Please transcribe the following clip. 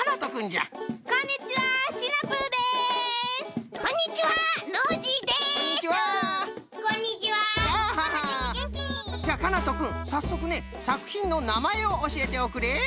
じゃかなとくんさっそくねさくひんのなまえをおしえておくれ。